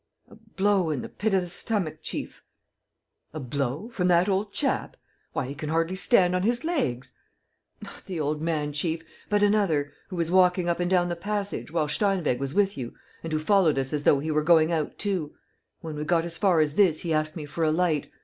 "A blow in the pit of the stomach, chief. ..." "A blow? From that old chap? ... Why, he can hardly stand on his legs! ..." "Not the old man, chief, but another, who was walking up and down the passage while Steinweg was with you and who followed us as though he were going out, too. ... When we got as far as this, he asked me for a light.